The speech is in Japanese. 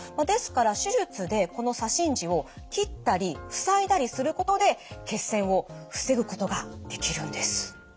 ですから手術でこの左心耳を切ったり塞いだりすることで血栓を防ぐことができるんです。